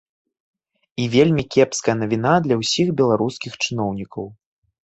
І вельмі кепская навіна для ўсіх беларускіх чыноўнікаў.